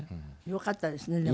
よかったですねでも。